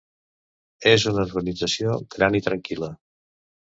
És una urbanització gran i tranquil·la.